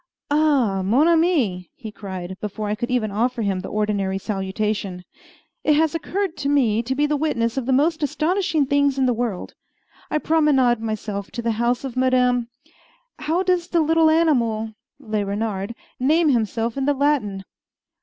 "Ah! mon ami!" he cried, before I could even offer him the ordinary salutation, "it has occurred to me to be the witness of the most astonishing things in the world. I promenade myself to the house of Madame . How does the little animal le renard name himself in the Latin?"